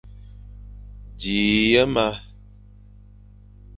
Dji ye ma.